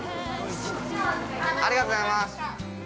ありがとうございます。